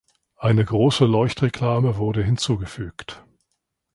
Eine große Leuchtreklame wurde hinzugefügt.